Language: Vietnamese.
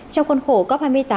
trong khuôn khổ cop hai mươi tám